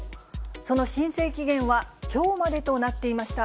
その申請期限はきょうまでとなっていました。